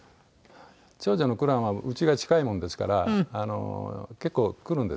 長女の紅蘭はうちが近いものですから結構来るんですようちに。